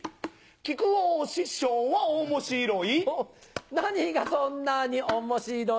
木久扇師匠は面白い。